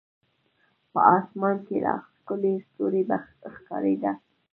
په اسمان کې لا ښکلي ستوري ښکارېده.